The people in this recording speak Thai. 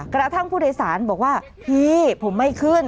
กระทั่งผู้โดยสารบอกว่าพี่ผมไม่ขึ้น